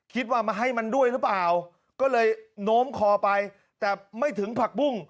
คิดว่ามาให้มันด้วยหรือเปล่าก็เลยโน้มคอไปแต่ไม่ถึงผักบุ้ง